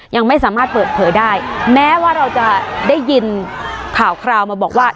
ยังไม่สามารถเปิดเผยได้แม้ว่าเราจะได้ยินข่าวคราวมาบอกว่า